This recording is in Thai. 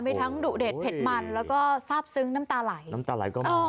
มีทั้งดุเด็ดเผ็ดมันแล้วก็สาปซึ้งน้ำตาไหล